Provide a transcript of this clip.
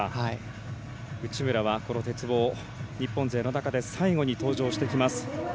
内村はこの鉄棒日本勢の中で最後に登場してきます。